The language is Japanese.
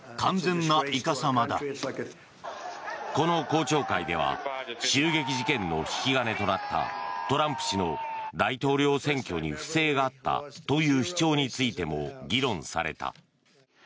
この公聴会では襲撃事件の引き金となったトランプ氏の大統領選挙に不正があったという主張についても議論された。